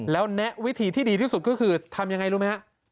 แล้วแนะวิธีที่ดีที่สุดก็คือทำยังไงรู้ไหมฮะ